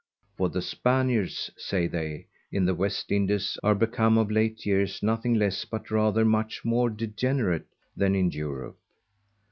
For the_ Spaniards, say they, in the West Indies, are become of late years nothing less, but rather much more degenerate than in Europe.